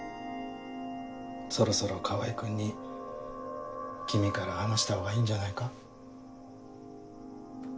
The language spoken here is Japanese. そろそろ川合君に君から話したほうがいいんじゃないか？